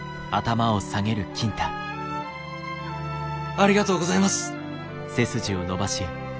ありがとうございます。